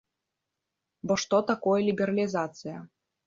Бо што такое лібералізацыя?